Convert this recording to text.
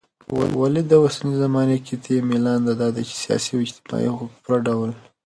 ولي داوسنۍ زماني قطعي ميلان دادى چې سياسي او اجتماعي حقوق په پوره ډول